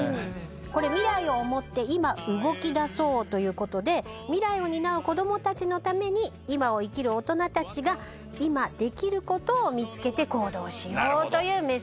これ未来を思って今動きだそうということで未来を担う子供たちのために今を生きる大人たちが今できることを見つけて行動しようというメッセージが。